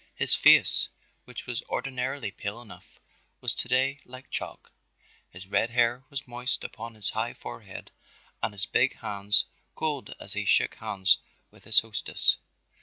His face, which was ordinarily pale enough, was to day like chalk, his red hair was moist upon his high forehead and his big hands cold as he shook hands with his hostess.